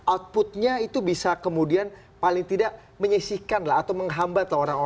outputnya itu bisa kemudian paling tidak menyisihkan lah atau menghambat lah orang orang